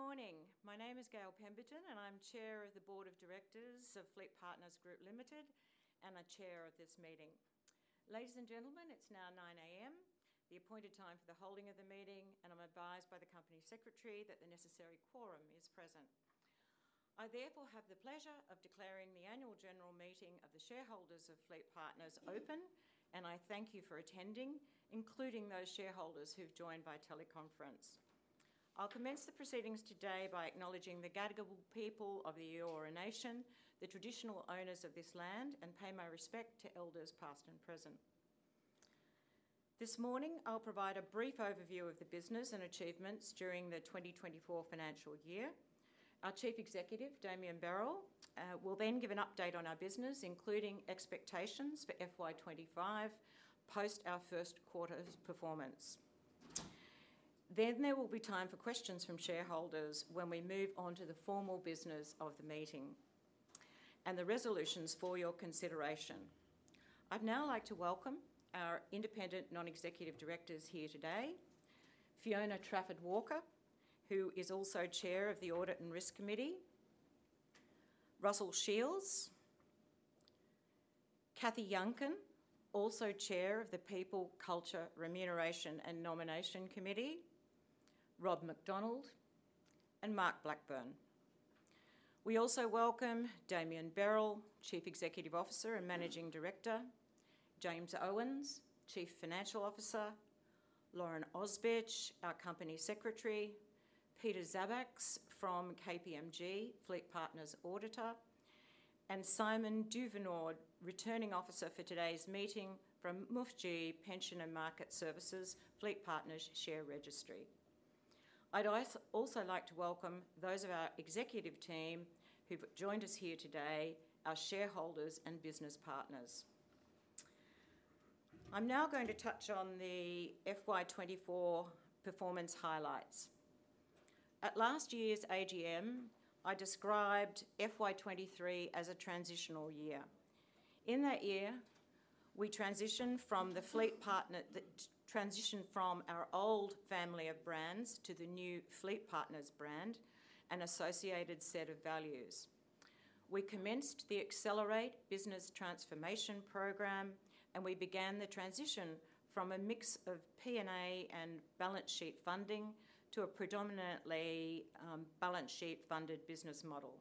Good morning. My name is Gail Pemberton, and I'm Chair of the Board of Directors of FleetPartners Group Limited, and I chair this meeting. Ladies and gentlemen, it's now 9:00 A.M., the appointed time for the holding of the meeting, and I'm advised by the Company Secretary that the necessary quorum is present. I therefore have the pleasure of declaring the Annual General Meeting of the Shareholders of FleetPartners open, and I thank you for attending, including those shareholders who've joined by teleconference. I'll commence the proceedings today by acknowledging the Gadigal people of the Eora Nation, the traditional owners of this land, and pay my respect to elders past and present. This morning, I'll provide a brief overview of the business and achievements during the 2024 financial year. Our Chief Executive, Damien Berrell, will then give an update on our business, including expectations for FY25 post our first quarter's performance. Then there will be time for questions from shareholders when we move on to the formal business of the meeting and the resolutions for your consideration. I'd now like to welcome our independent non-executive directors here today: Fiona Trafford-Walker, who is also Chair of the Audit and Risk Committee, Russell Shields, Cathy Yuncken, also Chair of the People, Culture, Remuneration and Nomination Committee, Rob McDonald, and Mark Blackburn. We also welcome Damien Berrell, Chief Executive Officer and Managing Director; James Owens, Chief Financial Officer; Lauren Osborne, our Company Secretary; Peter Zabaks from KPMG, FleetPartners Auditor; and Simon Pryce, Returning Officer for today's meeting from MUFG Pension & Market Services, FleetPartners Share Registry. I'd also like to welcome those of our executive team who've joined us here today, our shareholders and business partners. I'm now going to touch on the FY24 performance highlights. At last year's AGM, I described FY23 as a transitional year. In that year, we transitioned from our old family of brands to the new FleetPartners brand and associated set of values. We commenced the Accelerate Business Transformation Program, and we began the transition from a mix of P&A and balance sheet funding to a predominantly balance sheet funded business model.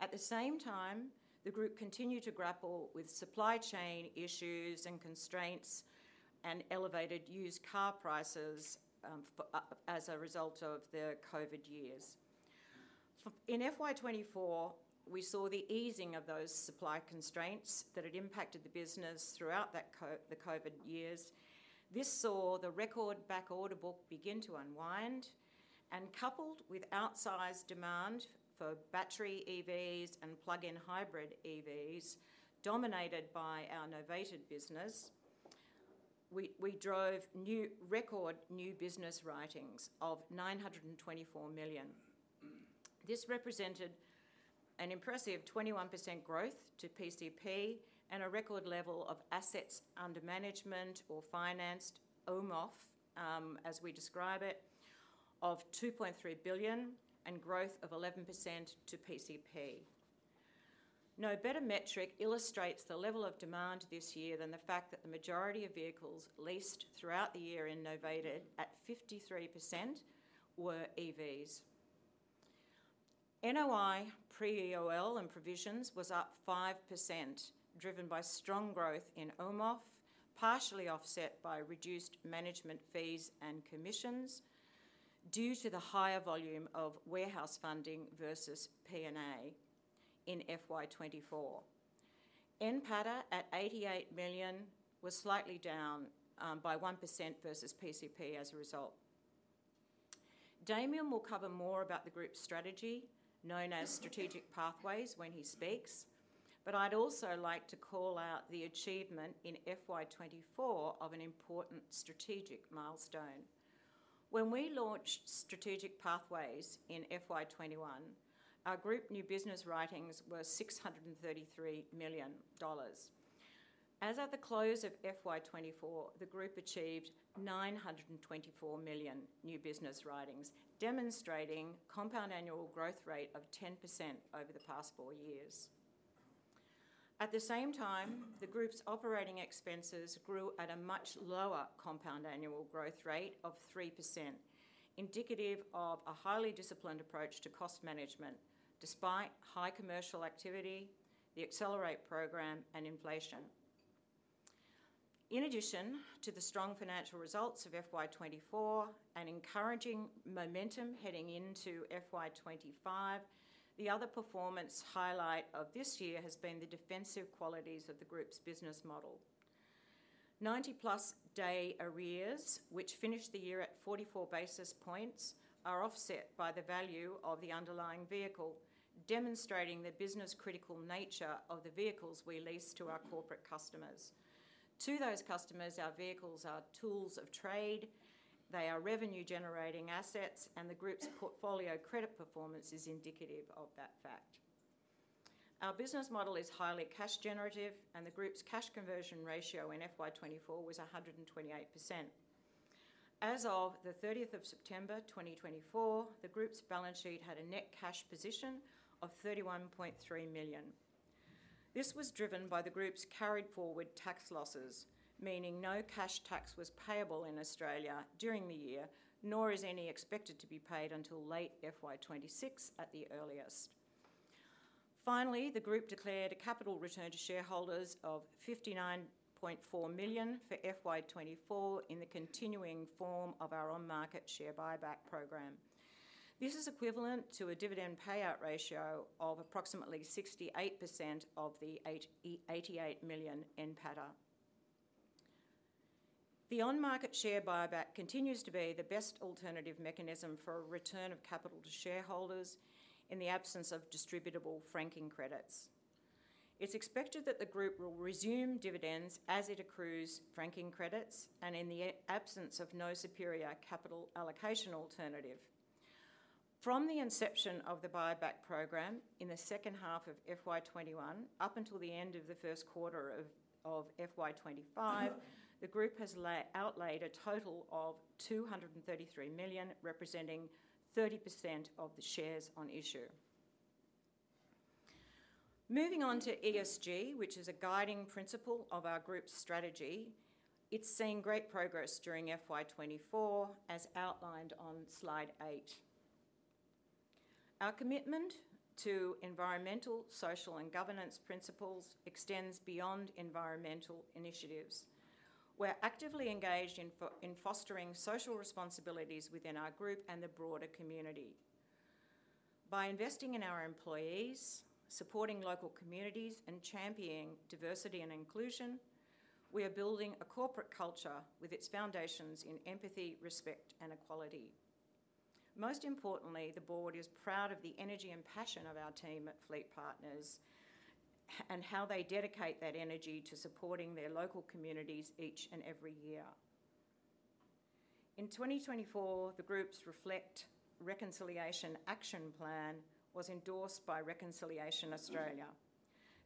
At the same time, the group continued to grapple with supply chain issues and constraints and elevated used car prices as a result of the COVID years. In FY24, we saw the easing of those supply constraints that had impacted the business throughout the COVID years. This saw the record back order book begin to unwind, and coupled with outsized demand for battery EVs and plug-in hybrid EVs dominated by our novated business, we drove record new business writings of 924 million. This represented an impressive 21% growth to PCP and a record level of assets under management or financed, AUMOF as we describe it, of 2.3 billion and growth of 11% to PCP. No better metric illustrates the level of demand this year than the fact that the majority of vehicles leased throughout the year in novated at 53% were EVs. NOI pre-EOL and provisions was up 5%, driven by strong growth in AUMOF, partially offset by reduced management fees and commissions due to the higher volume of warehouse funding versus P&A in FY24. NPATA at 88 million was slightly down by 1% versus PCP as a result. Damien will cover more about the group's strategy, known as Strategic Pathways, when he speaks, but I'd also like to call out the achievement in FY24 of an important strategic milestone. When we launched Strategic Pathways in FY21, our group new business writings were 633 million dollars. As at the close of FY24, the group achieved 924 million new business writings, demonstrating a compound annual growth rate of 10% over the past four years. At the same time, the group's operating expenses grew at a much lower compound annual growth rate of 3%, indicative of a highly disciplined approach to cost management despite high commercial activity, the Accelerate Program, and inflation. In addition to the strong financial results of FY24 and encouraging momentum heading into FY25, the other performance highlight of this year has been the defensive qualities of the group's business model. 90-plus day arrears, which finished the year at 44 basis points, are offset by the value of the underlying vehicle, demonstrating the business-critical nature of the vehicles we lease to our corporate customers. To those customers, our vehicles are tools of trade, they are revenue-generating assets, and the group's portfolio credit performance is indicative of that fact. Our business model is highly cash-generative, and the group's cash conversion ratio in FY24 was 128%. As of the 30th of September 2024, the group's balance sheet had a net cash position of 31.3 million. This was driven by the group's carried-forward tax losses, meaning no cash tax was payable in Australia during the year, nor is any expected to be paid until late FY26 at the earliest. Finally, the group declared a capital return to shareholders of 59.4 million for FY24 in the continuing form of our on-market share buyback program. This is equivalent to a dividend payout ratio of approximately 68% of the 88 million NPADA. The on-market share buyback continues to be the best alternative mechanism for a return of capital to shareholders in the absence of distributable franking credits. It's expected that the group will resume dividends as it accrues franking credits and in the absence of no superior capital allocation alternative. From the inception of the buyback program in the second half of FY21 up until the end of the first quarter of FY25, the group has outlaid a total of 233 million, representing 30% of the shares on issue. Moving on to ESG, which is a guiding principle of our group's strategy, it's seen great progress during FY24, as outlined on slide eight. Our commitment to environmental, social, and governance principles extends beyond environmental initiatives. We're actively engaged in fostering social responsibilities within our group and the broader community. By investing in our employees, supporting local communities, and championing diversity and inclusion, we are building a corporate culture with its foundations in empathy, respect, and equality. Most importantly, the board is proud of the energy and passion of our team at FleetPartners and how they dedicate that energy to supporting their local communities each and every year. In 2024, the group's Reconciliation Action Plan was endorsed by Reconciliation Australia.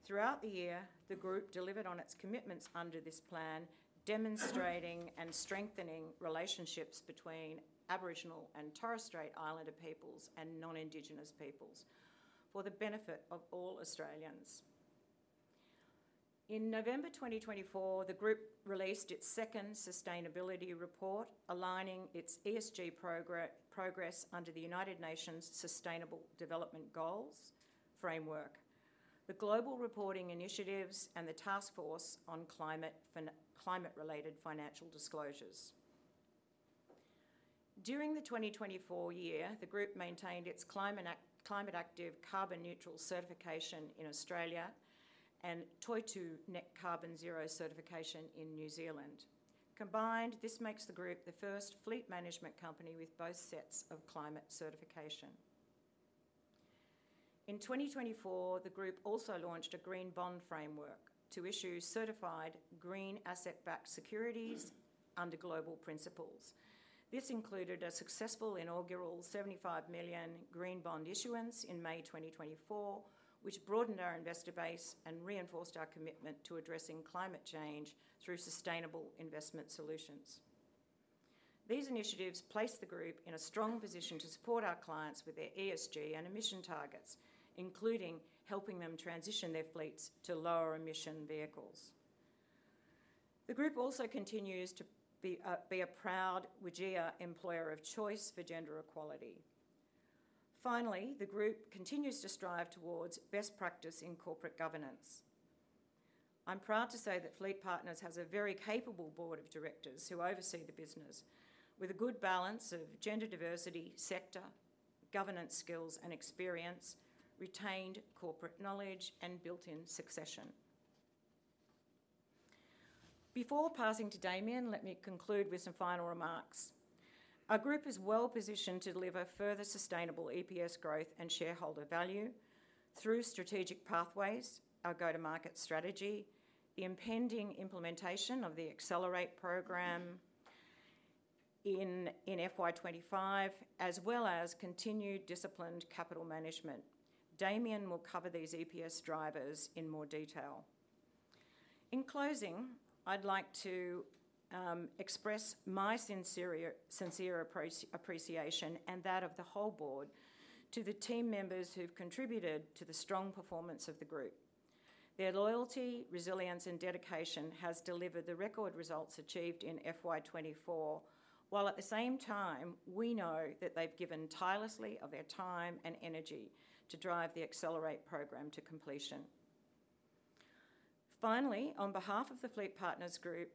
Throughout the year, the group delivered on its commitments under this plan, demonstrating and strengthening relationships between Aboriginal and Torres Strait Islander peoples and non-Indigenous peoples for the benefit of all Australians. In November 2024, the group released its second sustainability report, aligning its ESG progress under the United Nations Sustainable Development Goals framework, the Global Reporting Initiative, and the Task Force on Climate-Related Financial Disclosures. During the 2024 year, the group maintained its Climate Active carbon-neutral certification in Australia and Toitū Net Carbonzero certification in New Zealand. Combined, this makes the group the first fleet management company with both sets of climate certification. In 2024, the group also launched a Green Bond framework to issue certified green asset-backed securities under global principles. This included a successful inaugural 75 million Green Bond issuance in May 2024, which broadened our investor base and reinforced our commitment to addressing climate change through sustainable investment solutions. These initiatives placed the group in a strong position to support our clients with their ESG and emission targets, including helping them transition their fleets to lower-emission vehicles. The group also continues to be a proud WGEA Employer of Choice for Gender Equality. Finally, the group continues to strive towards best practice in corporate governance. I'm proud to say that FleetPartners has a very capable board of directors who oversee the business with a good balance of gender diversity, sector, governance skills and experience, retained corporate knowledge, and built-in succession. Before passing to Damien, let me conclude with some final remarks. Our group is well positioned to deliver further sustainable EPS growth and shareholder value through strategic pathways, our go-to-market strategy, the impending implementation of the Accelerate Program in FY25, as well as continued disciplined capital management. Damien will cover these EPS drivers in more detail. In closing, I'd like to express my sincere appreciation and that of the whole board to the team members who've contributed to the strong performance of the group. Their loyalty, resilience, and dedication has delivered the record results achieved in FY24, while at the same time, we know that they've given tirelessly of their time and energy to drive the Accelerate Program to completion. Finally, on behalf of the FleetPartners Group,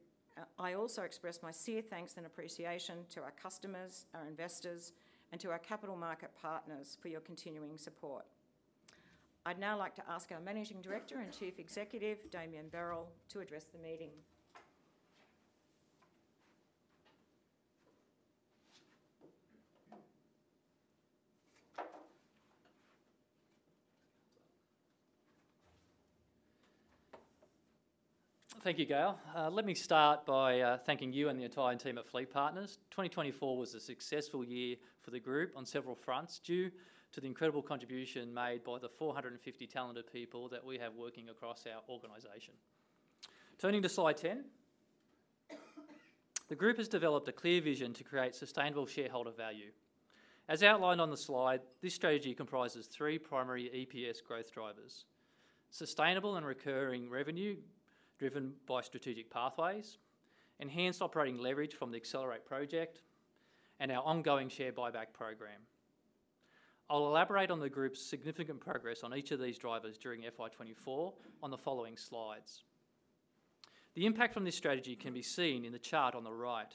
I also express my sincere thanks and appreciation to our customers, our investors, and to our capital market partners for your continuing support. I'd now like to ask our Managing Director and Chief Executive, Damien Berrell, to address the meeting. Thank you, Gail. Let me start by thanking you and the entire team at FleetPartners. 2024 was a successful year for the group on several fronts due to the incredible contribution made by the 450 talented people that we have working across our organization. Turning to slide 10, the group has developed a clear vision to create sustainable shareholder value. As outlined on the slide, this strategy comprises three primary EPS growth drivers: sustainable and recurring revenue driven by Strategic Pathways, enhanced operating leverage from the Accelerate Project, and our ongoing share buyback program. I'll elaborate on the group's significant progress on each of these drivers during FY24 on the following slides. The impact from this strategy can be seen in the chart on the right,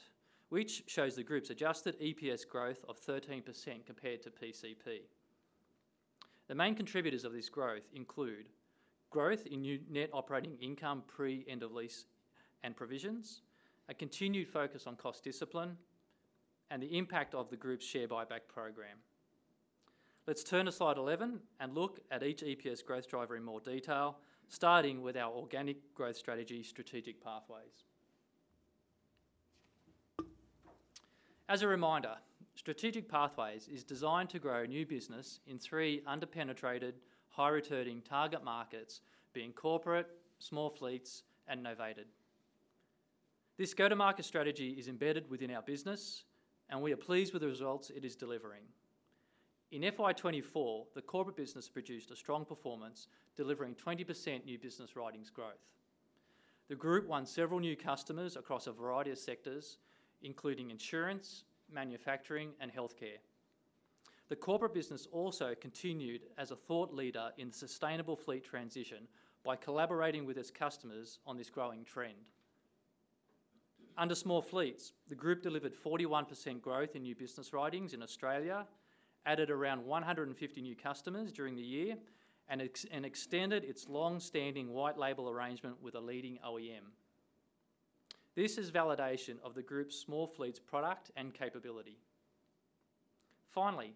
which shows the group's adjusted EPS growth of 13% compared to PCP. The main contributors of this growth include growth in Net Operating Income pre-End-of-Lease and provisions, a continued focus on cost discipline, and the impact of the group's share buyback program. Let's turn to slide 11 and look at each EPS growth driver in more detail, starting with our organic growth strategy, Strategic Pathways. As a reminder, Strategic Pathways is designed to grow a new business in three under-penetrated, high-returning target markets, being corporate, small fleets, and novated. This go-to-market strategy is embedded within our business, and we are pleased with the results it is delivering. In FY24, the corporate business produced a strong performance, delivering 20% new business writings growth. The group won several new customers across a variety of sectors, including insurance, manufacturing, and healthcare. The corporate business also continued as a thought leader in the sustainable fleet transition by collaborating with its customers on this growing trend. Under small fleets, the group delivered 41% growth in new business writings in Australia, added around 150 new customers during the year, and extended its long-standing white-label arrangement with a leading OEM. This is validation of the group's small fleets' product and capability. Finally,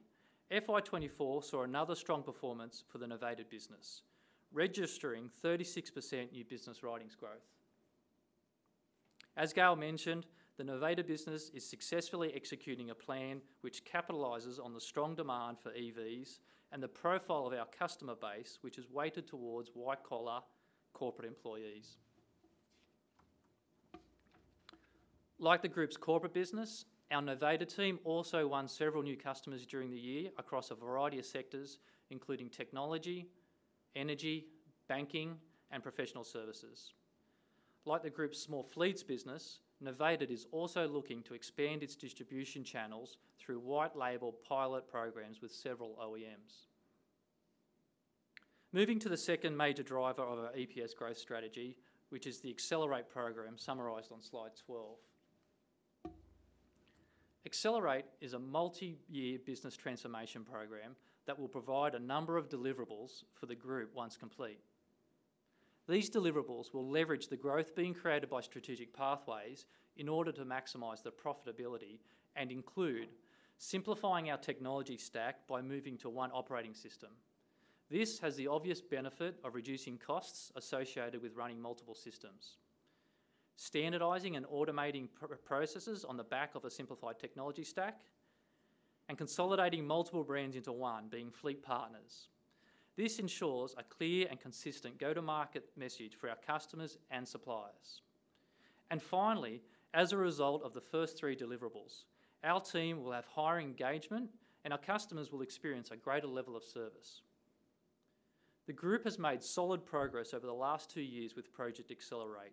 FY24 saw another strong performance for the novated business, registering 36% new business writings growth. As Gail mentioned, the novated business is successfully executing a plan which capitalizes on the strong demand for EVs and the profile of our customer base, which is weighted towards white-collar corporate employees. Like the group's corporate business, our novated team also won several new customers during the year across a variety of sectors, including technology, energy, banking, and professional services. Like the group's small fleets business, novated is also looking to expand its distribution channels through white-label pilot programs with several OEMs. Moving to the second major driver of our EPS growth strategy, which is the Accelerate program summarised on slide 12. Accelerate is a multi-year business transformation program that will provide a number of deliverables for the group once complete. These deliverables will leverage the growth being created by Strategic Pathways in order to maximize the profitability and include simplifying our technology stack by moving to one operating system. This has the obvious benefit of reducing costs associated with running multiple systems, standardizing and automating processes on the back of a simplified technology stack, and consolidating multiple brands into one, being FleetPartners. This ensures a clear and consistent go-to-market message for our customers and suppliers, and finally, as a result of the first three deliverables, our team will have higher engagement, and our customers will experience a greater level of service. The group has made solid progress over the last two years with Project Accelerate,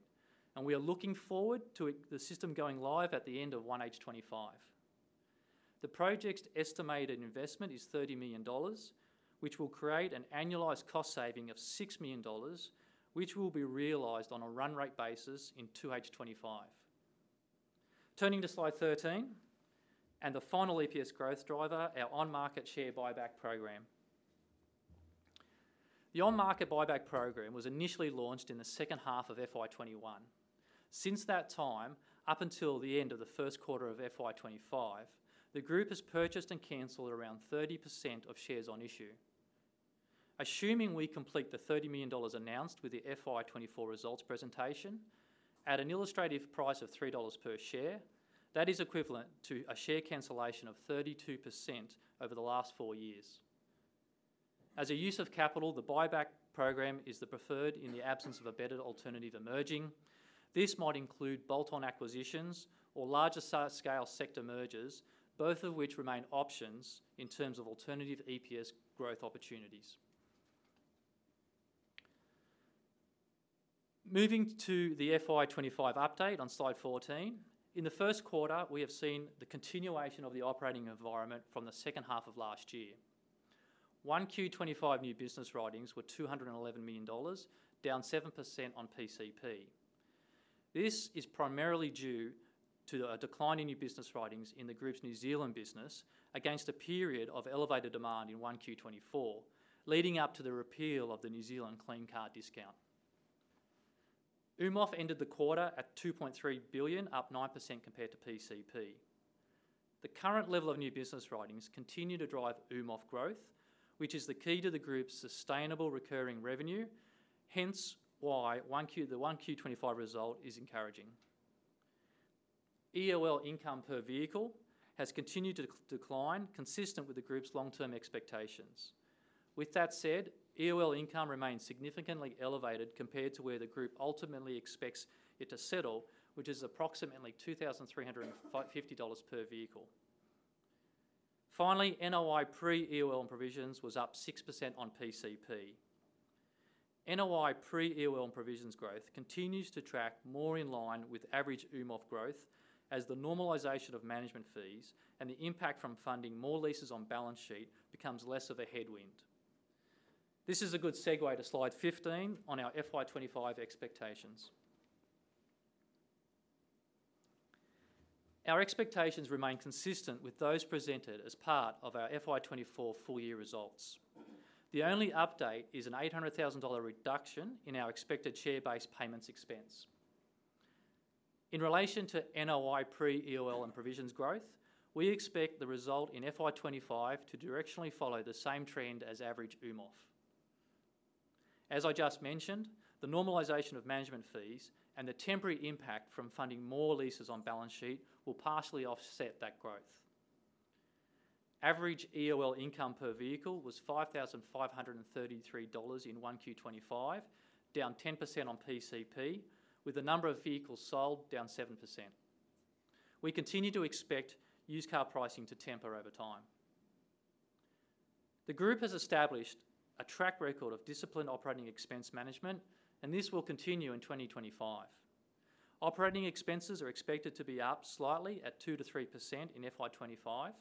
and we are looking forward to the system going live at the end of 1H25. The project's estimated investment is 30 million dollars, which will create an annualized cost saving of 6 million dollars, which will be realized on a run-rate basis in 2H25. Turning to slide 13 and the final EPS growth driver, our on-market share buyback program. The on-market buyback program was initially launched in the second half of FY21. Since that time, up until the end of the first quarter of FY25, the group has purchased and cancelled around 30% of shares on issue. Assuming we complete the 30 million dollars announced with the FY24 results presentation at an illustrative price of 3 dollars per share, that is equivalent to a share cancellation of 32% over the last four years. As a use of capital, the buyback program is the preferred in the absence of embedded alternative emerging. This might include bolt-on acquisitions or larger-scale sector mergers, both of which remain options in terms of alternative EPS growth opportunities. Moving to the FY25 update on slide 14, in the first quarter, we have seen the continuation of the operating environment from the second half of last year. 1Q25 new business writings were 211 million dollars, down 7% on PCP. This is primarily due to a decline in new business writings in the group's New Zealand business against a period of elevated demand in 1Q24, leading up to the repeal of the New Zealand Clean Car Discount. AUMOF ended the quarter at 2.3 billion, up 9% compared to PCP. The current level of new business writings continues to drive AUMOF growth, which is the key to the group's sustainable recurring revenue, hence why the 1Q25 result is encouraging. EOL income per vehicle has continued to decline, consistent with the group's long-term expectations. With that said, EOL income remains significantly elevated compared to where the group ultimately expects it to settle, which is approximately 2,350 dollars per vehicle. Finally, NOI pre-EOL and provisions was up 6% on PCP. NOI pre-EOL and provisions growth continues to track more in line with average AUMOF growth as the normalization of management fees and the impact from funding more leases on balance sheet becomes less of a headwind. This is a good segue to slide 15 on our FY25 expectations. Our expectations remain consistent with those presented as part of our FY24 full-year results. The only update is an 800,000 dollar reduction in our expected share-based payments expense. In relation to NOI pre-EOL and provisions growth, we expect the result in FY25 to directionally follow the same trend as average AUMOF. As I just mentioned, the normalization of management fees and the temporary impact from funding more leases on balance sheet will partially offset that growth. Average EOL income per vehicle was 5,533 dollars in 1Q25, down 10% on PCP, with the number of vehicles sold down 7%. We continue to expect used car pricing to temper over time. The group has established a track record of disciplined operating expense management, and this will continue in 2025. Operating expenses are expected to be up slightly at 2%-3% in FY25,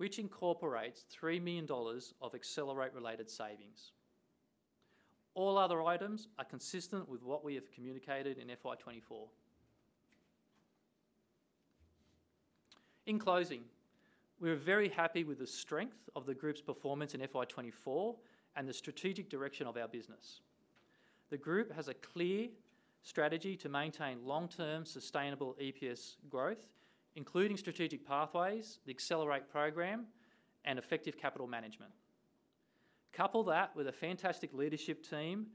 which incorporates 3 million dollars of Accelerate-related savings. All other items are consistent with what we have communicated in FY24. In closing, we are very happy with the strength of the group's performance in FY24 and the strategic direction of our business. The group has a clear strategy to maintain long-term sustainable EPS growth, including strategic pathways, the Accelerate program, and effective capital management. Couple that with a fantastic leadership team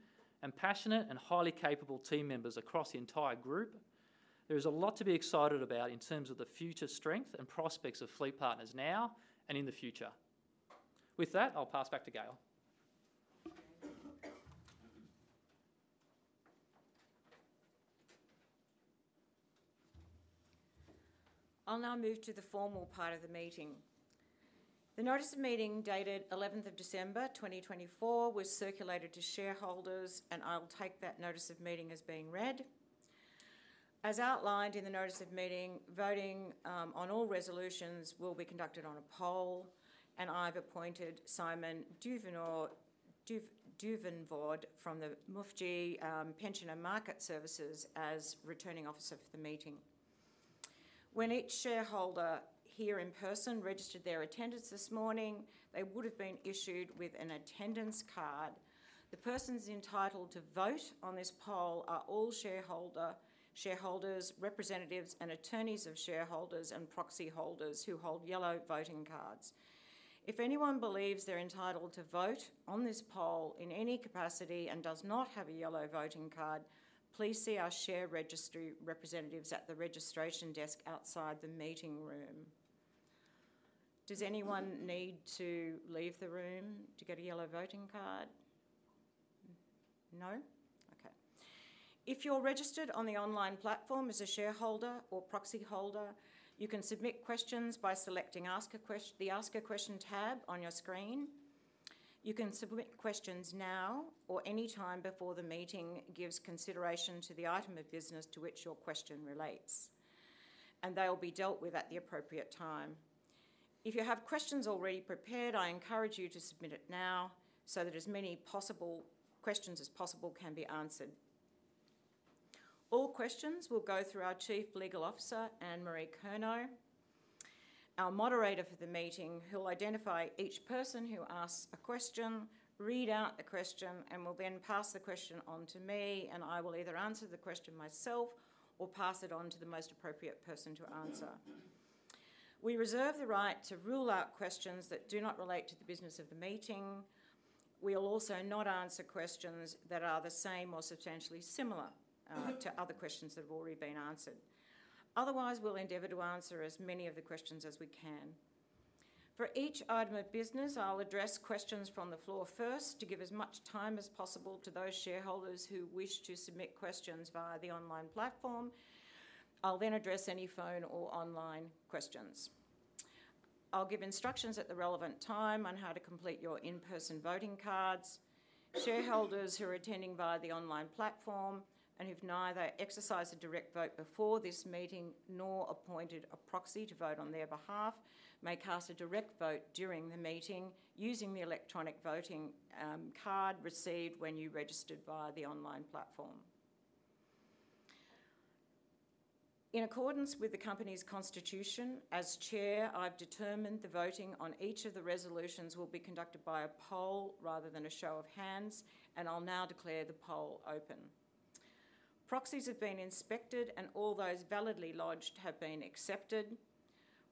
and passionate and highly capable team members across the entire group, there is a lot to be excited about in terms of the future strength and prospects of FleetPartners now and in the future. With that, I'll pass back to Gail. I'll now move to the formal part of the meeting. The notice of meeting dated 11th of December 2024 was circulated to shareholders, and I'll take that notice of meeting as being read. As outlined in the notice of meeting, voting on all resolutions will be conducted on a poll, and I've appointed Simon Duvenvoorde from MUFG Pension and Market Services as returning officer for the meeting. When each shareholder here in person registered their attendance this morning, they would have been issued with an attendance card. The persons entitled to vote on this poll are all shareholders, representatives, and attorneys of shareholders and proxy holders who hold yellow voting cards. If anyone believes they're entitled to vote on this poll in any capacity and does not have a yellow voting card, please see our share registry representatives at the registration desk outside the meeting room. Does anyone need to leave the room to get a yellow voting card? No? Okay. If you're registered on the online platform as a shareholder or proxy holder, you can submit questions by selecting the Ask a Question tab on your screen. You can submit questions now or any time before the meeting gives consideration to the item of business to which your question relates, and they will be dealt with at the appropriate time. If you have questions already prepared, I encourage you to submit it now so that as many possible questions as possible can be answered. All questions will go through our Chief Legal Officer, Anne-Marie Kernot, our moderator for the meeting, who will identify each person who asks a question, read out the question, and will then pass the question on to me, and I will either answer the question myself or pass it on to the most appropriate person to answer. We reserve the right to rule out questions that do not relate to the business of the meeting. We will also not answer questions that are the same or substantially similar to other questions that have already been answered. Otherwise, we'll endeavor to answer as many of the questions as we can. For each item of business, I'll address questions from the floor first to give as much time as possible to those shareholders who wish to submit questions via the online platform. I'll then address any phone or online questions. I'll give instructions at the relevant time on how to complete your in-person voting cards. Shareholders who are attending via the online platform and who've neither exercised a direct vote before this meeting nor appointed a proxy to vote on their behalf may cast a direct vote during the meeting using the electronic voting card received when you registered via the online platform. In accordance with the company's constitution, as chair, I've determined the voting on each of the resolutions will be conducted by a poll rather than a show of hands, and I'll now declare the poll open. Proxies have been inspected, and all those validly lodged have been accepted.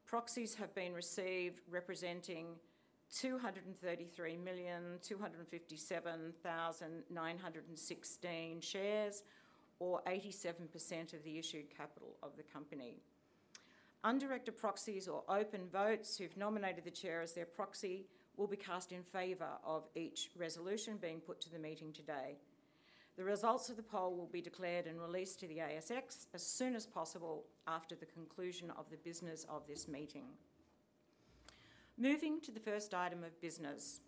Proxies have been received representing 233,257,916 shares or 87% of the issued capital of the company. Undirected proxies or open votes who've nominated the chair as their proxy will be cast in favor of each resolution being put to the meeting today. The results of the poll will be declared and released to the ASX as soon as possible after the conclusion of the business of this meeting. Moving to the first item of business,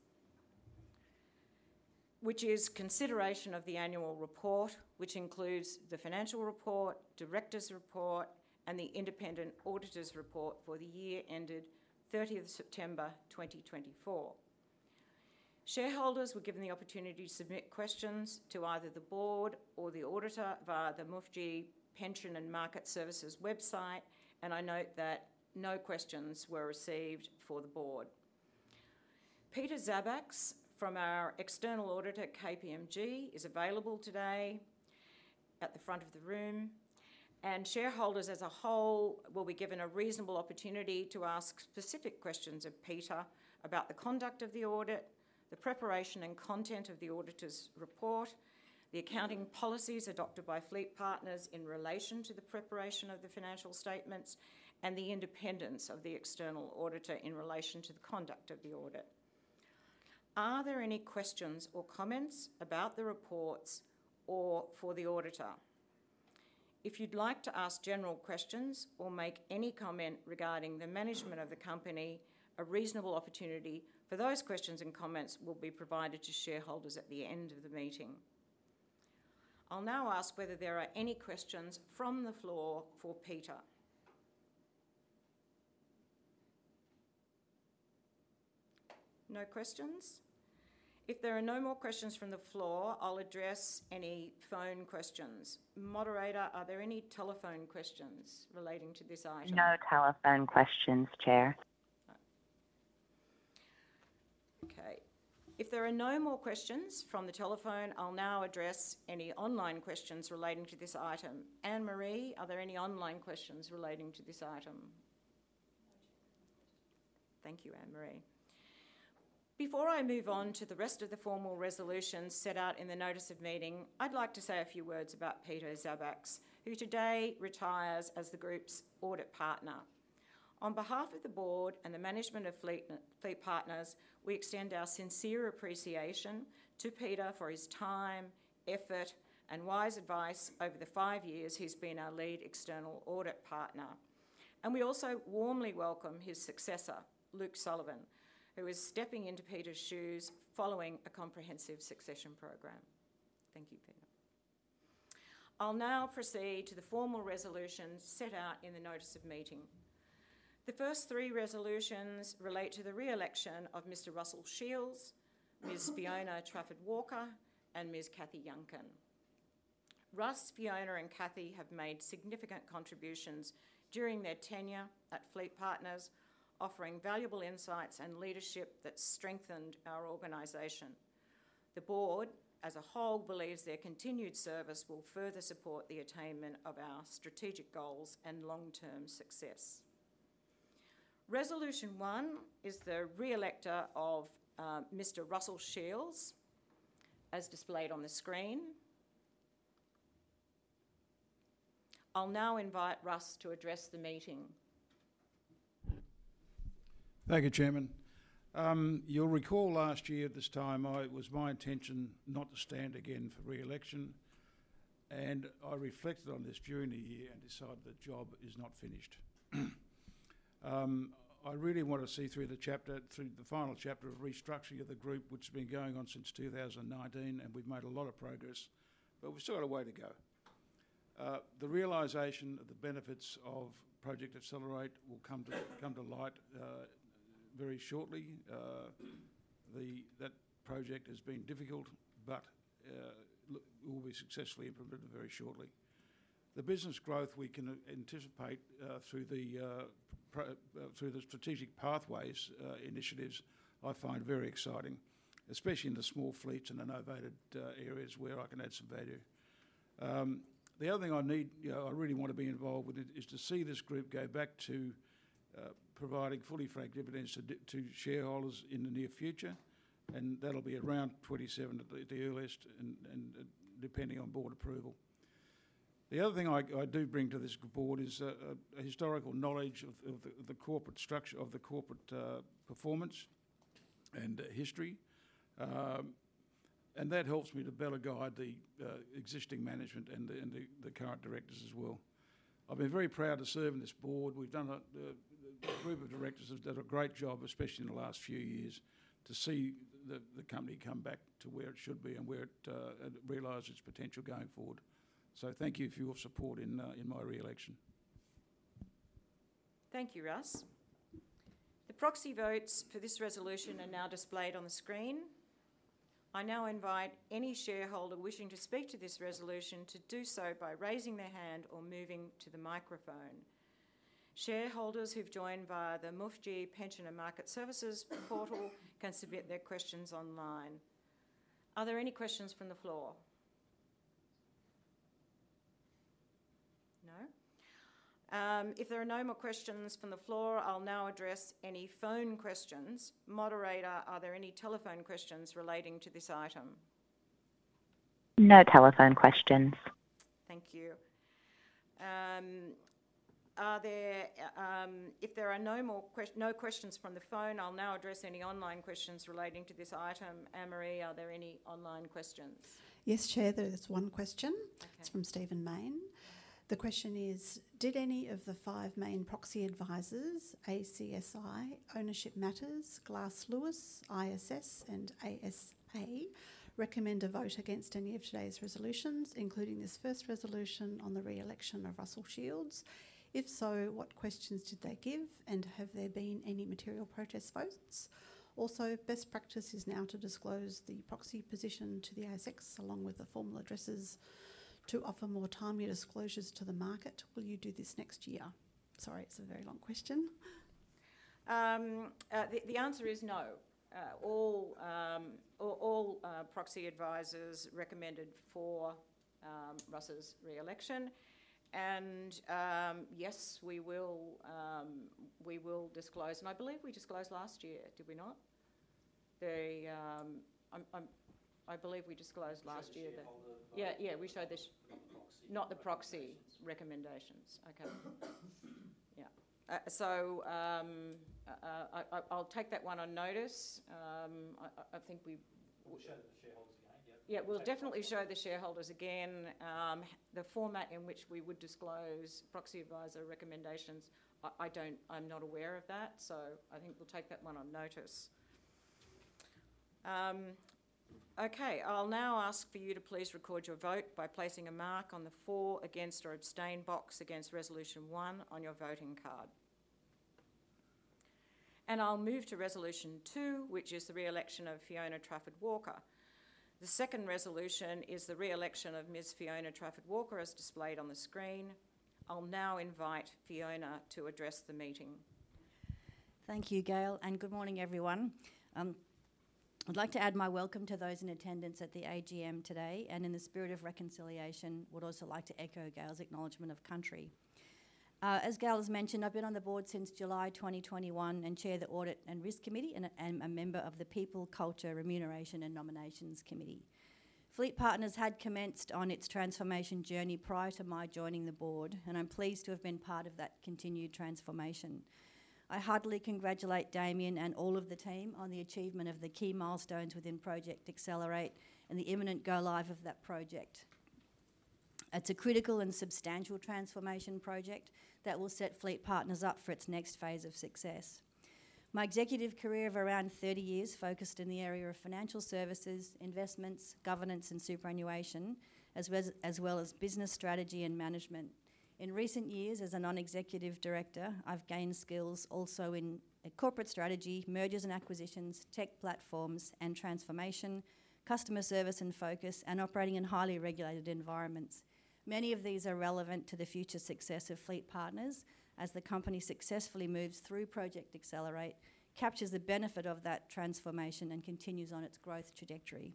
which is consideration of the annual report, which includes the financial report, director's report, and the independent auditor's report for the year ended 30th of September 2024. Shareholders were given the opportunity to submit questions to either the board or the auditor via the MUFG Pension & Market Services website, and I note that no questions were received for the board. Peter Zabaks from our external auditor, KPMG, is available today at the front of the room, and shareholders as a whole will be given a reasonable opportunity to ask specific questions of Peter about the conduct of the audit, the preparation and content of the auditor's report, the accounting policies adopted by FleetPartners in relation to the preparation of the financial statements, and the independence of the external auditor in relation to the conduct of the audit. Are there any questions or comments about the reports or for the auditor? If you'd like to ask general questions or make any comment regarding the management of the company, a reasonable opportunity for those questions and comments will be provided to shareholders at the end of the meeting. I'll now ask whether there are any questions from the floor for Peter. No questions? If there are no more questions from the floor, I'll address any phone questions. Moderator, are there any telephone questions relating to this item? No telephone questions, Chair. Okay. If there are no more questions from the telephone, I'll now address any online questions relating to this item. Anne-Marie, are there any online questions relating to this item? No telephone questions. Thank you, Anne-Marie. Before I move on to the rest of the formal resolutions set out in the notice of meeting, I'd like to say a few words about Peter Zabaks, who today retires as the group's audit partner. On behalf of the board and the management of FleetPartners, we extend our sincere appreciation to Peter for his time, effort, and wise advice over the five years he's been our lead external audit partner, and we also warmly welcome his successor, Luke Sullivan, who is stepping into Peter's shoes following a comprehensive succession program. Thank you, Peter. I'll now proceed to the formal resolutions set out in the notice of meeting. The first three resolutions relate to the re-election of Mr. Russell Shields, Ms. Fiona Trafford-Walker, and Ms. Cathy Yuncken. Russ, Fiona, and Cathy have made significant contributions during their tenure at FleetPartners, offering valuable insights and leadership that strengthened our organization. The board as a whole believes their continued service will further support the attainment of our strategic goals and long-term success. Resolution one is the re-election of Mr. Russell Shields, as displayed on the screen. I'll now invite Russ to address the meeting. Thank you, Chairman. You'll recall last year at this time, it was my intention not to stand again for re-election, and I reflected on this during the year and decided the job is not finished. I really want to see through the chapter, through the final chapter of restructuring of the group, which has been going on since 2019, and we've made a lot of progress, but we've still got a way to go. The realization of the benefits of Project Accelerate will come to light very shortly. That project has been difficult, but it will be successfully implemented very shortly. The business growth we can anticipate through the Strategic Pathways initiatives, I find very exciting, especially in the small fleets and the novated areas where I can add some value. The other thing I need, I really want to be involved with, is to see this group go back to providing fully franked dividends to shareholders in the near future, and that'll be around 2027 at the earliest, and depending on board approval. The other thing I do bring to this board is a historical knowledge of the corporate structure, of the corporate performance and history, and that helps me to better guide the existing management and the current directors as well. I've been very proud to serve on this board. We've done. A group of directors have done a great job, especially in the last few years, to see the company come back to where it should be and realize its potential going forward, so thank you for your support in my re-election. Thank you, Russ. The proxy votes for this resolution are now displayed on the screen. I now invite any shareholder wishing to speak to this resolution to do so by raising their hand or moving to the microphone. Shareholders who've joined via the MUFG Pension & Market Services portal can submit their questions online. Are there any questions from the floor? No? If there are no more questions from the floor, I'll now address any phone questions. Moderator, are there any telephone questions relating to this item? No telephone questions. Thank you. If there are no more questions from the phone, I'll now address any online questions relating to this item. Anne-Marie, are there any online questions? Yes, Chair, there is one question. It's from Stephen Mayne. The question is, did any of the five main proxy advisors, ACSI, Ownership Matters, Glass Lewis, ISS, and ASA recommend a vote against any of today's resolutions, including this first resolution on the re-election of Russell Shields? If so, what questions did they give, and have there been any material protest votes? Also, best practice is now to disclose the proxy position to the ASX along with the formal addresses to offer more timely disclosures to the market. Will you do this next year? Sorry, it's a very long question. The answer is no. All proxy advisors recommended for Russell's re-election. Yes, we will disclose, and I believe we disclosed last year, did we not? I believe we disclosed last year that. Yeah, yeah, we showed this. Not the proxy. Not the proxy recommendations. Okay. Yeah. So I'll take that one on notice. We'll show the shareholders again. Yeah, we'll definitely show the shareholders again. The format in which we would disclose proxy advisor recommendations, I'm not aware of that, so I think we'll take that one on notice. Okay. I'll now ask for you to please record your vote by placing a mark on the for, against, or abstain box against resolution one on your voting card. I'll move to resolution two, which is the re-election of Fiona Trafford-Walker. The second resolution is the re-election of Ms. Fiona Trafford-Walker as displayed on the screen. I'll now invite Fiona to address the meeting. Thank you, Gail, and good morning, everyone. I'd like to add my welcome to those in attendance at the AGM today, and in the spirit of reconciliation, would also like to echo Gail's acknowledgement of country. As Gail has mentioned, I've been on the board since July 2021 and chair the Audit and Risk Committee and a member of the People, Culture, Remuneration, and Nominations Committee. FleetPartners had commenced on its transformation journey prior to my joining the board, and I'm pleased to have been part of that continued transformation. I heartily congratulate Damien and all of the team on the achievement of the key milestones within Project Accelerate and the imminent go-live of that project. It's a critical and substantial transformation project that will set FleetPartners up for its next phase of success. My executive career of around 30 years focused in the area of financial services, investments, governance, and superannuation, as well as business strategy and management. In recent years, as a non-executive director, I've gained skills also in corporate strategy, mergers and acquisitions, tech platforms and transformation, customer service and focus, and operating in highly regulated environments. Many of these are relevant to the future success of FleetPartners as the company successfully moves through Project Accelerate, captures the benefit of that transformation, and continues on its growth trajectory.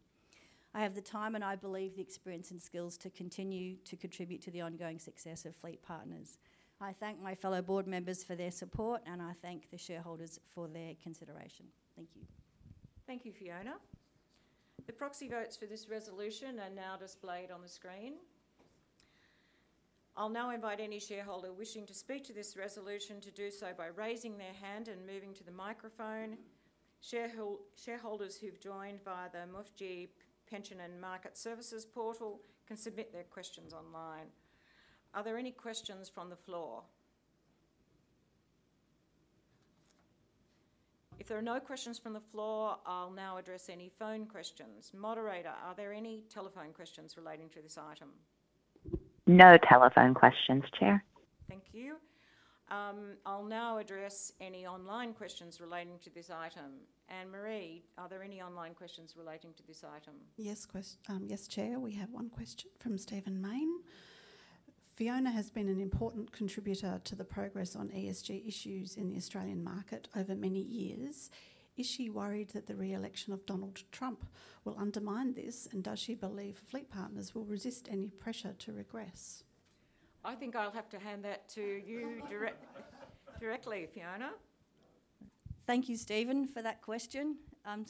I have the time and I believe the experience and skills to continue to contribute to the ongoing success of FleetPartners. I thank my fellow board members for their support, and I thank the shareholders for their consideration. Thank you. Thank you, Fiona. The proxy votes for this resolution are now displayed on the screen. I'll now invite any shareholder wishing to speak to this resolution to do so by raising their hand and moving to the microphone. Shareholders who've joined via the MUFG Pension & Market Services portal can submit their questions online. Are there any questions from the floor? If there are no questions from the floor, I'll now address any phone questions. Moderator, are there any telephone questions relating to this item? No telephone questions, Chair. Thank you. I'll now address any online questions relating to this item. Anne-Marie, are there any online questions relating to this item? Yes, Chair, we have one question from Stephen Mayne. Fiona has been an important contributor to the progress on ESG issues in the Australian market over many years. Is she worried that the re-election of Donald Trump will undermine this, and does she believe FleetPartners will resist any pressure to regress? I think I'll have to hand that to you directly, Fiona. Thank you, Stephen, for that question.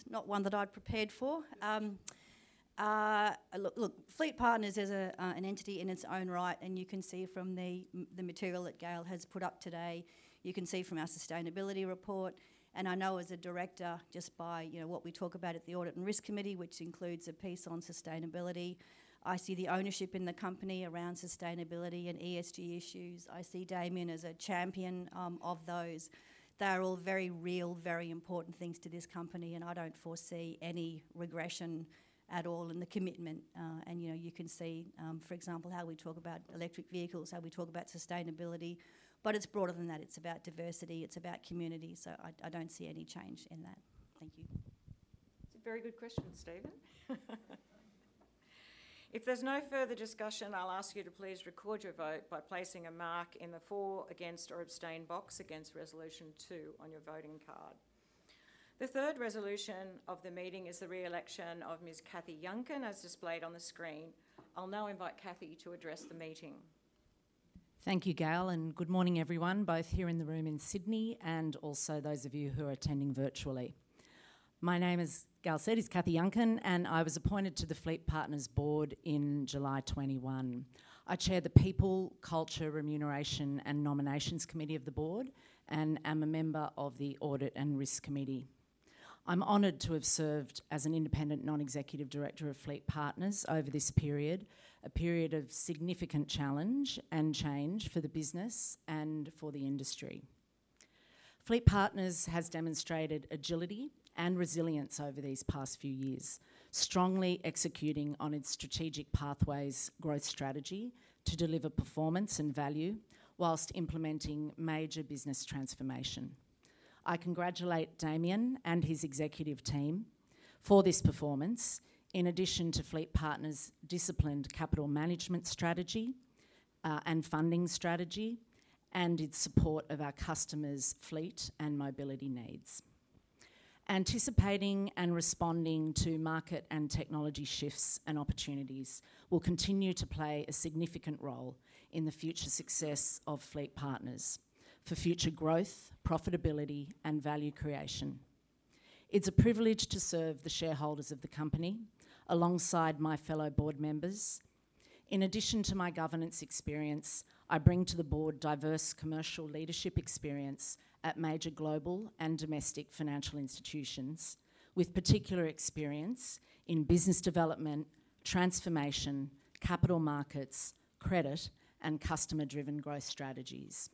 Not one that I'd prepared for. Look, FleetPartners is an entity in its own right, and you can see from the material that Gail has put up today, you can see from our sustainability report, and I know as a director, just by what we talk about at the Audit and Risk Committee, which includes a piece on sustainability, I see the ownership in the company around sustainability and ESG issues. I see Damien as a champion of those. They are all very real, very important things to this company, and I don't foresee any regression at all in the commitment, and you can see, for example, how we talk about electric vehicles, how we talk about sustainability, but it's broader than that. It's about diversity. It's about community. So I don't see any change in that. Thank you. It's a very good question, Stephen. If there's no further discussion, I'll ask you to please record your vote by placing a mark in the for, against, or abstain box against resolution two on your voting card. The third resolution of the meeting is the re-election of Ms. Cathy Yuncken, as displayed on the screen. I'll now invite Cathy to address the meeting. Thank you, Gail, and good morning, everyone, both here in the room in Sydney and also those of you who are attending virtually. My name is, as Gail said, Cathy Yuncken, and I was appointed to the FleetPartners board in July 2021. I chair the People, Culture, Remuneration, and Nomination Committee of the board and am a member of the Audit and Risk Committee. I'm honored to have served as an independent non-executive director of FleetPartners over this period, a period of significant challenge and change for the business and for the industry. FleetPartners has demonstrated agility and resilience over these past few years, strongly executing on its strategic pathways growth strategy to deliver performance and value while implementing major business transformation. I congratulate Damien and his executive team for this performance, in addition to FleetPartners' disciplined capital management strategy and funding strategy and its support of our customers' fleet and mobility needs. Anticipating and responding to market and technology shifts and opportunities will continue to play a significant role in the future success of FleetPartners for future growth, profitability, and value creation. It's a privilege to serve the shareholders of the company alongside my fellow board members. In addition to my governance experience, I bring to the board diverse commercial leadership experience at major global and domestic financial institutions, with particular experience in business development, transformation, capital markets, credit, and customer-driven growth strategies.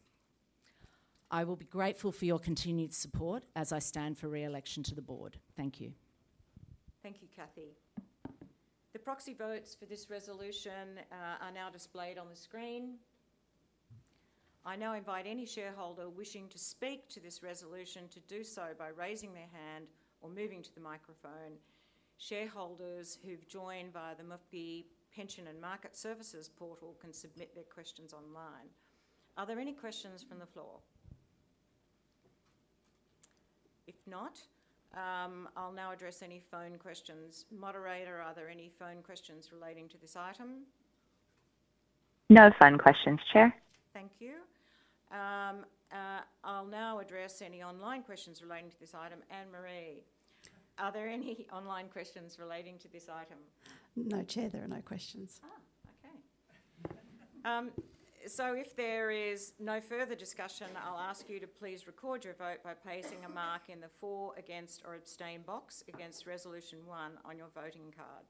I will be grateful for your continued support as I stand for re-election to the board. Thank you. Thank you, Cathy. The proxy votes for this resolution are now displayed on the screen. I now invite any shareholder wishing to speak to this resolution to do so by raising their hand or moving to the microphone. Shareholders who've joined via the MUFG Pension and Market Services portal can submit their questions online. Are there any questions from the floor? If not, I'll now address any phone questions. Moderator, are there any phone questions relating to this item? No phone questions, Chair. Thank you. I'll now address any online questions relating to this item. Anne-Marie, are there any online questions relating to this item? No, Chair, there are no questions. Okay. So if there is no further discussion, I'll ask you to please record your vote by placing a mark in the for, against, or abstain box against resolution one on your voting card.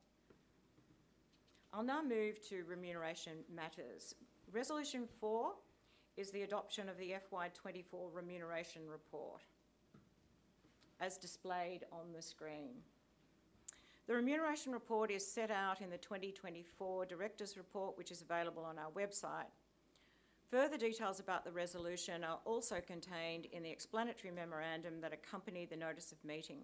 I'll now move to remuneration matters. Resolution four is the adoption of the FY24 remuneration report as displayed on the screen. The remuneration report is set out in the 2024 directors report, which is available on our website. Further details about the resolution are also contained in the explanatory memorandum that accompanied the notice of meeting.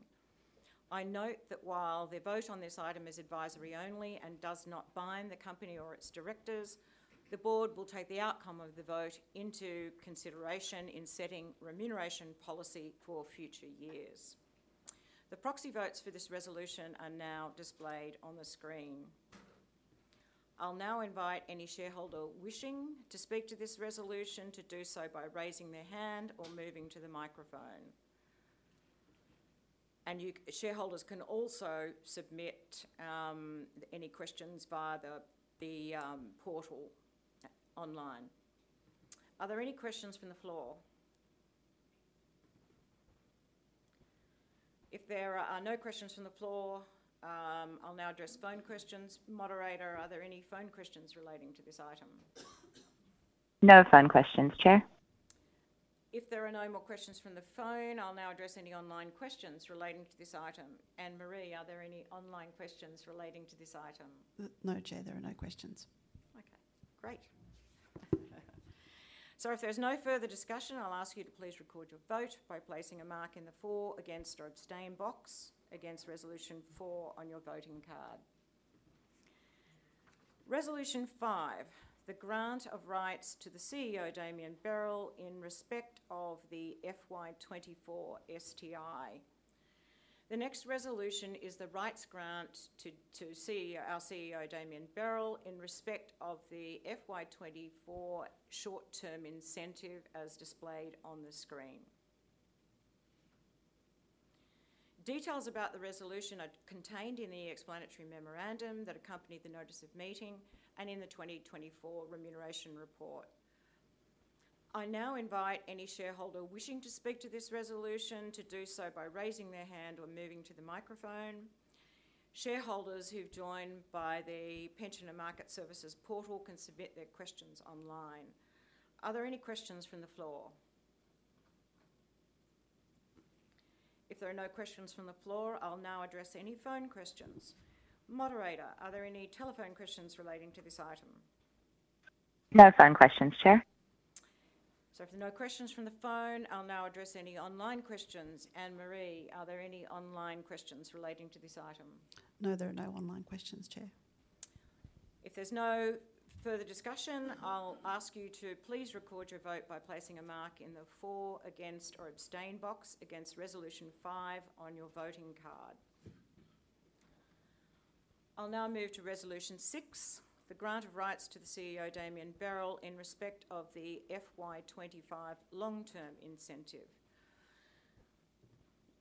I note that while the vote on this item is advisory only and does not bind the company or its directors, the board will take the outcome of the vote into consideration in setting remuneration policy for future years. The proxy votes for this resolution are now displayed on the screen. I'll now invite any shareholder wishing to speak to this resolution to do so by raising their hand or moving to the microphone, and shareholders can also submit any questions via the portal online. Are there any questions from the floor? If there are no questions from the floor, I'll now address phone questions. Moderator, are there any phone questions relating to this item? No phone questions, Chair. If there are no more questions from the phone, I'll now address any online questions relating to this item. Anne-Marie, are there any online questions relating to this item? No, Chair, there are no questions. Okay, great, so if there's no further discussion, I'll ask you to please record your vote by placing a mark in the for, against, or abstain box against resolution four on your voting card. Resolution five, the grant of rights to the CEO, Damien Berrell, in respect of the FY24 STI. The next resolution is the rights grant to our CEO, Damien Berrell, in respect of the FY24 short-term incentive as displayed on the screen. Details about the resolution are contained in the explanatory memorandum that accompanied the notice of meeting and in the 2024 remuneration report. I now invite any shareholder wishing to speak to this resolution to do so by raising their hand or moving to the microphone. Shareholders who've joined via the Pension and Market Services portal can submit their questions online. Are there any questions from the floor? If there are no questions from the floor, I'll now address any phone questions. Moderator, are there any telephone questions relating to this item? No phone questions, Chair. If there are no questions from the phone, I'll now address any online questions. Anne-Marie, are there any online questions relating to this item? No, there are no online questions, Chair. If there's no further discussion, I'll ask you to please record your vote by placing a mark in the for, against, or abstain box against resolution five on your voting card. I'll now move to resolution six, the grant of rights to the CEO, Damien Berrell, in respect of the FY25 long-term incentive.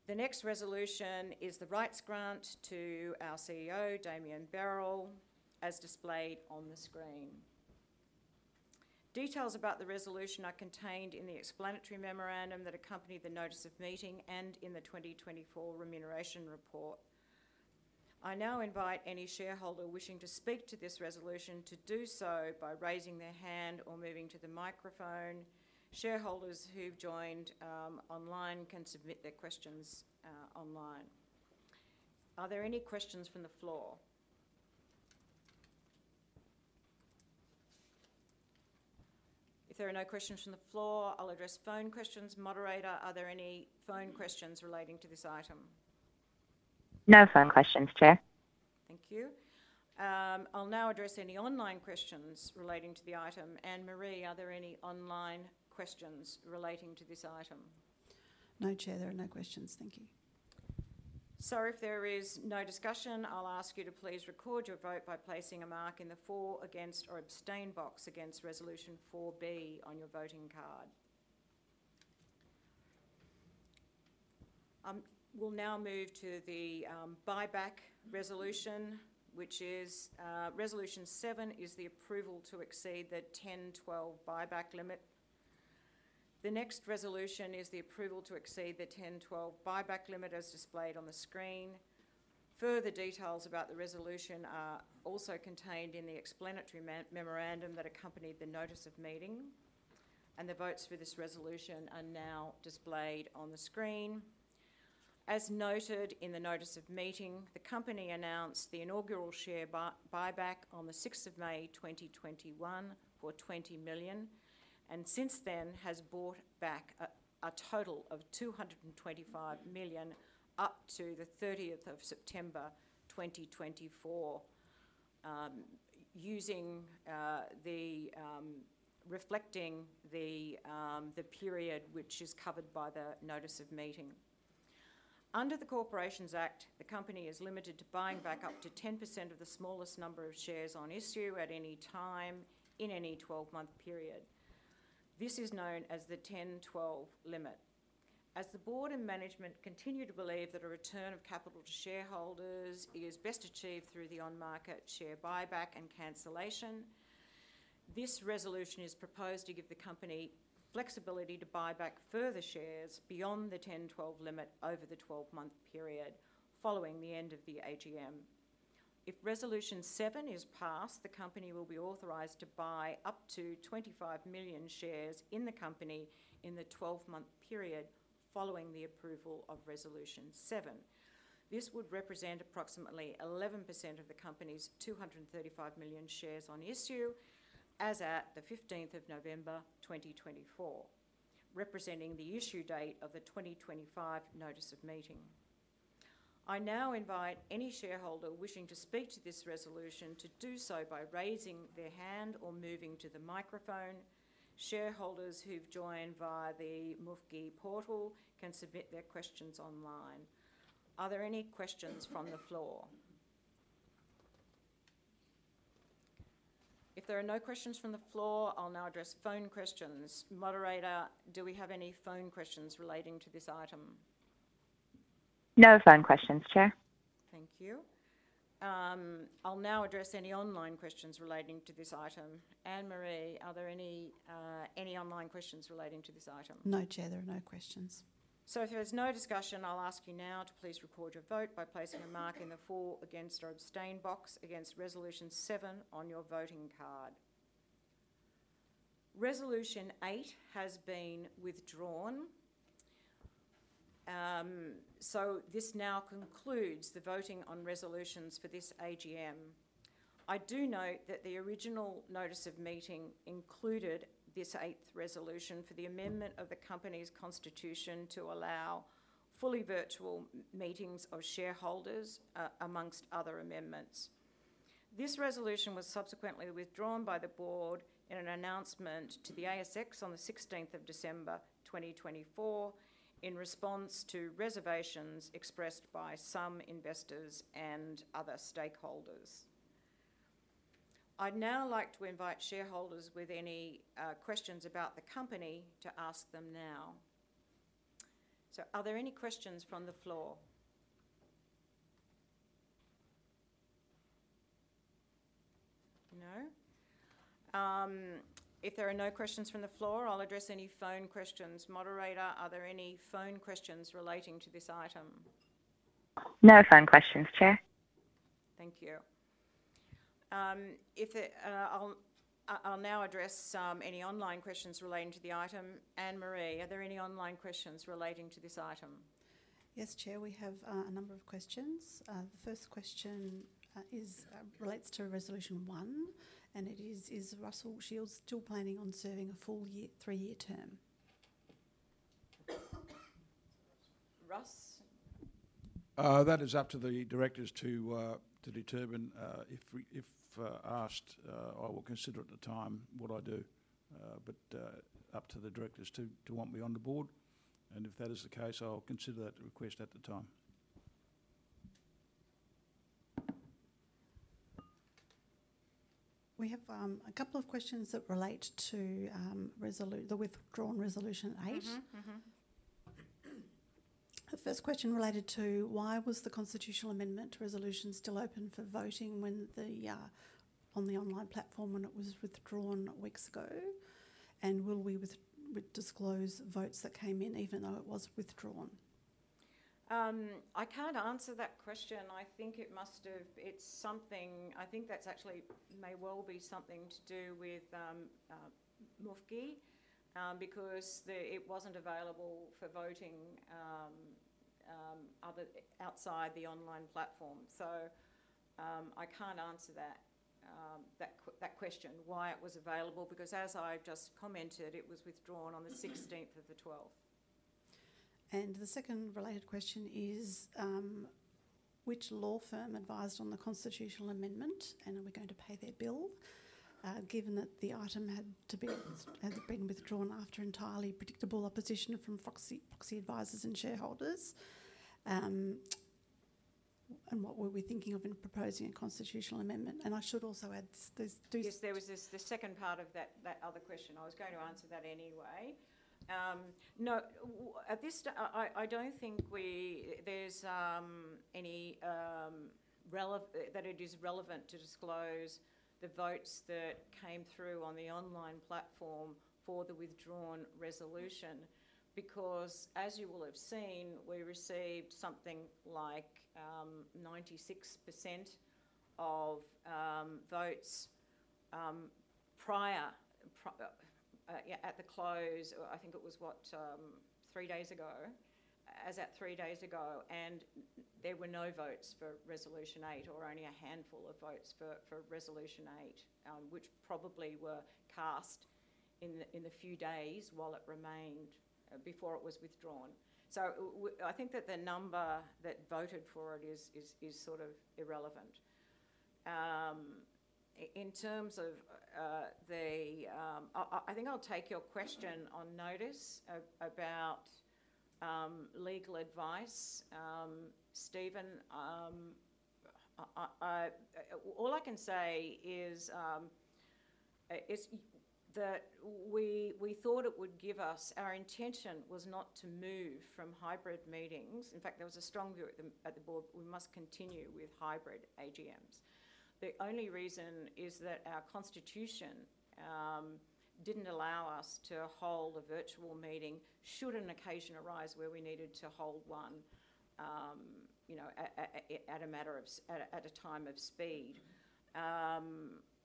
The next resolution is the rights grant to our CEO, Damien Berrell, as displayed on the screen. Details about the resolution are contained in the explanatory memorandum that accompanied the notice of meeting and in the 2024 remuneration report. I now invite any shareholder wishing to speak to this resolution to do so by raising their hand or moving to the microphone. Shareholders who've joined online can submit their questions online. Are there any questions from the floor? If there are no questions from the floor, I'll address phone questions. Moderator, are there any phone questions relating to this item? No phone questions, Chair. Thank you. I'll now address any online questions relating to the item. Anne-Marie, are there any online questions relating to this item? No, Chair, there are no questions. Thank you. So if there is no discussion, I'll ask you to please record your vote by placing a mark in the for, against, or abstain box against resolution 4B on your voting card. We'll now move to the buyback resolution, which is resolution seven is the approval to exceed the 10/12 buyback limit. The next resolution is the approval to exceed the 10/12 buyback limit as displayed on the screen. Further details about the resolution are also contained in the explanatory memorandum that accompanied the notice of meeting, and the votes for this resolution are now displayed on the screen. As noted in the notice of meeting, the company announced the inaugural share buyback on the 6th of May 2021 for 20 million and since then has bought back a total of 225 million up to the 30th of September 2024, reflecting the period which is covered by the notice of meeting. Under the Corporations Act, the company is limited to buying back up to 10% of the smallest number of shares on issue at any time in any 12-month period. This is known as the 10/12 limit. As the board and management continue to believe that a return of capital to shareholders is best achieved through the on-market share buyback and cancellation, this resolution is proposed to give the company flexibility to buy back further shares beyond the 10/12 limit over the 12-month period following the end of the AGM. If resolution seven is passed, the company will be authorized to buy up to 25 million shares in the company in the 12-month period following the approval of resolution seven. This would represent approximately 11% of the company's 235 million shares on issue as at the 15th of November 2024, representing the issue date of the 2025 notice of meeting. I now invite any shareholder wishing to speak to this resolution to do so by raising their hand or moving to the microphone. Shareholders who've joined via the MUFG portal can submit their questions online. Are there any questions from the floor? If there are no questions from the floor, I'll now address phone questions. Moderator, do we have any phone questions relating to this item? No phone questions, Chair. Thank you. I'll now address any online questions relating to this item. Anne-Marie, are there any online questions relating to this item? No, Chair, there are no questions, so if there is no discussion, I'll ask you now to please record your vote by placing a mark in the for, against, or abstain box against resolution seven on your voting card. Resolution eight has been withdrawn, so this now concludes the voting on resolutions for this AGM. I do note that the original notice of meeting included this eighth resolution for the amendment of the company's constitution to allow fully virtual meetings of shareholders among other amendments. This resolution was subsequently withdrawn by the board in an announcement to the ASX on the 16th of December 2024 in response to reservations expressed by some investors and other stakeholders. I'd now like to invite shareholders with any questions about the company to ask them now. So are there any questions from the floor? No? If there are no questions from the floor, I'll address any phone questions. Moderator, are there any phone questions relating to this item? No phone questions, Chair. Thank you. I'll now address any online questions relating to the item. Anne-Marie, are there any online questions relating to this item? Yes, Chair, we have a number of questions. The first question relates to resolution one, and it is, is Russell Shields still planning on serving a full three-year term? Russ? That is up to the directors to determine. If asked, I will consider at the time what I do, but up to the directors to want me on the board. And if that is the case, I'll consider that request at the time. We have a couple of questions that relate to the withdrawn resolution eight. The first question related to why was the constitutional amendment resolution still open for voting on the online platform when it was withdrawn weeks ago? And will we disclose votes that came in even though it was withdrawn? I can't answer that question. I think it must have been something that actually may well be something to do with MUFG because it wasn't available for voting outside the online platform. So I can't answer that question, why it was available, because as I just commented, it was withdrawn on the 16th of the 12th. And the second related question is, which law firm advised on the constitutional amendment, and are we going to pay their bill given that the item had been withdrawn after entirely predictable opposition from proxy advisors and shareholders? And what were we thinking of in proposing a constitutional amendment? And I should also add, there's. Yes, there was the second part of that other question. I was going to answer that anyway. No, I don't think there's any that it is relevant to disclose the votes that came through on the online platform for the withdrawn resolution because, as you will have seen, we received something like 96% of votes prior at the close, I think it was what, three days ago, as at three days ago, and there were no votes for resolution eight or only a handful of votes for resolution eight, which probably were cast in the few days while it remained before it was withdrawn. So I think that the number that voted for it is sort of irrelevant. In terms of the, I think I'll take your question on notice about legal advice, Stephen. All I can say is that we thought it would give us, our intention was not to move from hybrid meetings. In fact, there was a strong view at the board we must continue with hybrid AGMs. The only reason is that our constitution didn't allow us to hold a virtual meeting should an occasion arise where we needed to hold one at a time of speed.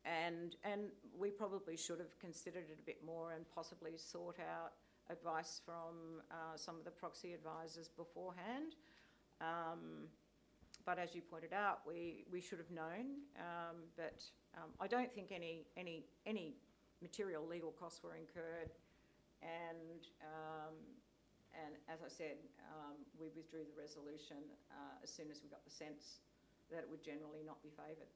And we probably should have considered it a bit more and possibly sought out advice from some of the proxy advisors beforehand. But as you pointed out, we should have known that. I don't think any material legal costs were incurred. And as I said, we withdrew the resolution as soon as we got the sense that it would generally not be favoured.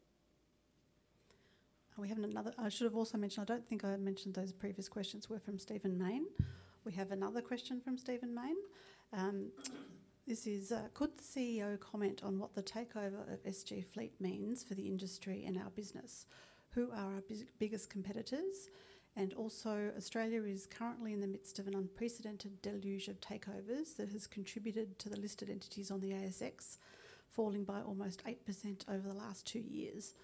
And we have another. I should have also mentioned I don't think I had mentioned those previous questions were from Stephen Mayne. We have another question from Stephen Mayne. Could the CEO comment on what the takeover of SG Fleet means for the industry and our business? Who are our biggest competitors? And also, Australia is currently in the midst of an unprecedented deluge of takeovers that has contributed to the listed entities on the ASX falling by almost 8% over the last two years.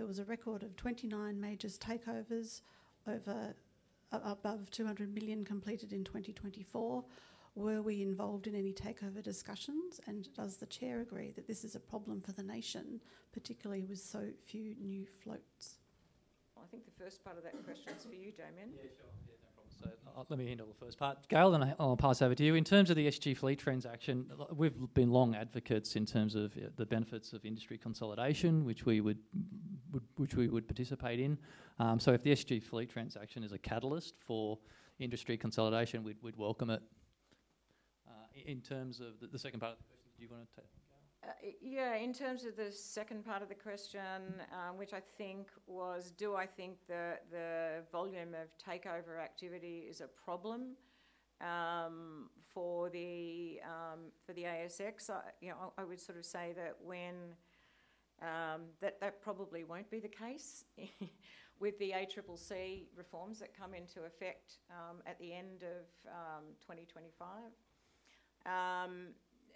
There was a record of 29 major takeovers above 200 million completed in 2024. Were we involved in any takeover discussions? And does the chair agree that this is a problem for the nation, particularly with so few new floats? I think the first part of that question is for you, Damien. Yeah, sure. Yeah, no problem. So let me handle the first part. Gail, then I'll pass over to you. In terms of the SG Fleet transaction, we've been long advocates in terms of the benefits of industry consolidation, which we would participate in. So if the SG Fleet transaction is a catalyst for industry consolidation, we'd welcome it. In terms of the second part of the question, did you want to take? Yeah, in terms of the second part of the question, which I think was, do I think the volume of takeover activity is a problem for the ASX? I would sort of say that that probably won't be the case with the ACCC reforms that come into effect at the end of 2025.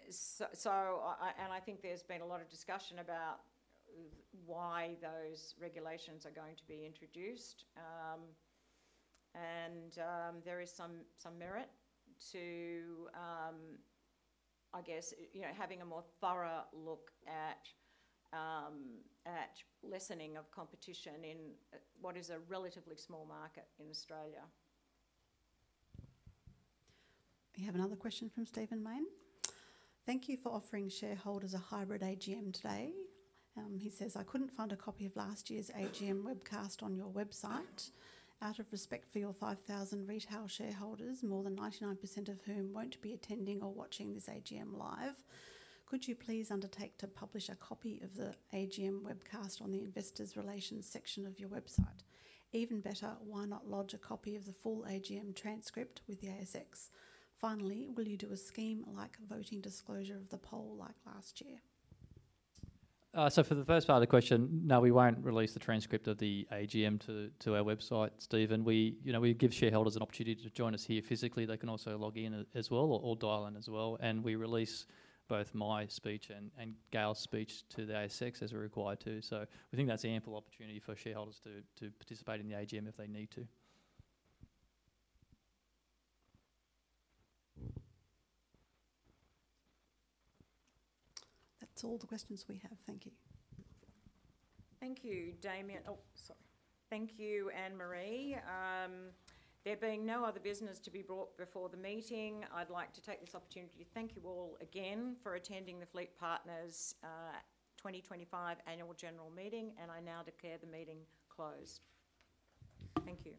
And I think there's been a lot of discussion about why those regulations are going to be introduced. And there is some merit to, I guess, having a more thorough look at lessening of competition in what is a relatively small market in Australia. We have another question from Stephen Mayne. Thank you for offering shareholders a hybrid AGM today. He says, "I couldn't find a copy of last year's AGM webcast on your website. Out of respect for your 5,000 retail shareholders, more than 99% of whom won't be attending or watching this AGM live, could you please undertake to publish a copy of the AGM webcast on the Investors' Relations section of your website? Even better, why not lodge a copy of the full AGM transcript with the ASX? Finally, will you do a scheme like voting disclosure of the poll like last year?" So for the first part of the question, no, we won't release the transcript of the AGM to our website, Stephen. We give shareholders an opportunity to join us here physically. They can also log in as well or dial in as well. We release both my speech and Gail's speech to the ASX as we're required to. So we think that's an ample opportunity for shareholders to participate in the AGM if they need to. That's all the questions we have. Thank you. Thank you, Damien. Oh, sorry. Thank you, Anne-Marie. There being no other business to be brought before the meeting, I'd like to take this opportunity to thank you all again for attending the FleetPartners 2025 Annual General Meeting, and I now declare the meeting closed. Thank you.